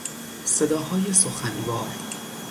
صداهای سخنوار